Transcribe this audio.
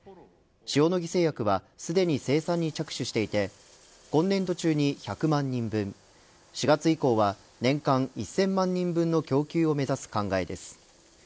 塩野義製薬はすでに生産に着手していて今年度中に１００万人分４月以降は年間１０００万人分の供給を目指す考えです。